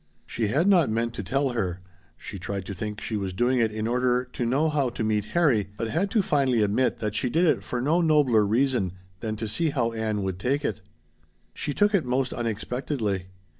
She had not meant to tell her. She tried to think she was doing it in order to know how to meet Harry, but had to admit finally that she did it for no nobler reason than to see how Ann would take it. She took it most unexpectedly.